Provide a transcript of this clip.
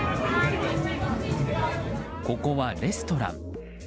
ここはレストラン。